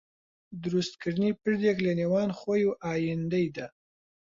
دروستکردنی پردێک لەنێوان خۆی و ئایندەیدا